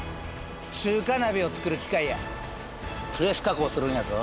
中華鍋を作る機械や。